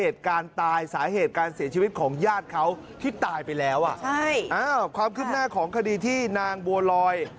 ตายไปแล้วอ่ะความขึ้นหน้าของคดีที่นางบัวลอย